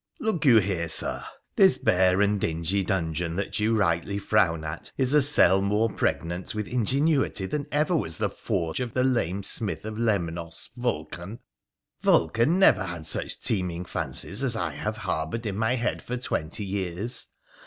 ' Look you here, Sir ! this bare and dingy dungeon that you rightly frown at is a cell more pregnant with ingenuity than ever was the forge of the lame smith of Lemnos. Vulcan ! Vulcan never had such teeming fancies as I have harboured in my head for twenty years.